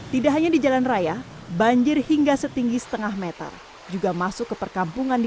tidak hanya di jalan raya banjir hingga setinggi setengah meter juga masuk ke perkampungan di